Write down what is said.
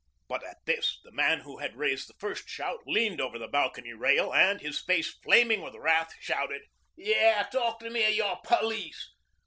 But at this, the man who had raised the first shout leaned over the balcony rail, and, his face flaming with wrath, shouted: "YAH! talk to me of your police.